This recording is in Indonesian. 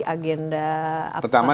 agenda apa pertama